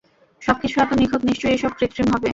সবকিছু এত নিখুঁত, নিশ্চয়ই এসব কৃত্রিম হবে!